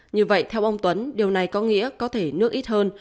như vậy theo ông tuấn điều này có nghĩa có thể nước ít hơn